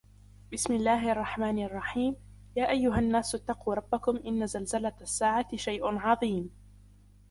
بِسْمِ اللَّهِ الرَّحْمَنِ الرَّحِيمِ يَا أَيُّهَا النَّاسُ اتَّقُوا رَبَّكُمْ إِنَّ زَلْزَلَةَ السَّاعَةِ شَيْءٌ عَظِيمٌ